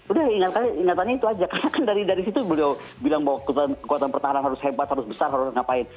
udah ingatannya itu aja karena kan dari situ beliau bilang bahwa kekuatan pertahanan harus hebat harus besar harus ngapain